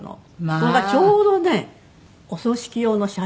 それがちょうどねお葬式用の写真。